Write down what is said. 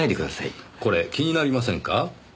これ気になりませんか？